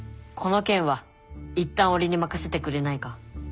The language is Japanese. この件はいったん俺に任せてくれないか。